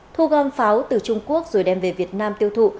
thu gom pháo từ trung quốc rồi đem về việt nam tiêu thụ